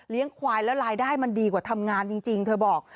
ควายแล้วรายได้มันดีกว่าทำงานจริงเธอบอก